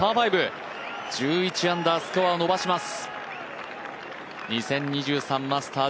１１アンダー、スコアを伸ばします。